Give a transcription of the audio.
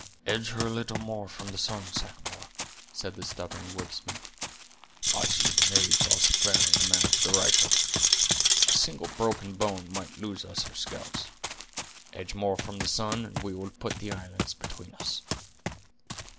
"Edge her a little more from the sun, Sagamore," said the stubborn woodsman; "I see the knaves are sparing a man to the rifle. A single broken bone might lose us our scalps. Edge more from the sun and we will put the island between us."